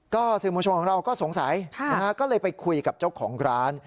สื่อมวลชนของเราก็สงสัยก็เลยไปคุยกับเจ้าของร้าน